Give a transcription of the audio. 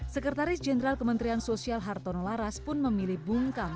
sekretaris jenderal kementerian sosial hartono laras pun mengatakan